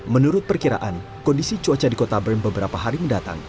menurut perkiraan kondisi cuaca di kota bern beberapa hari mendatang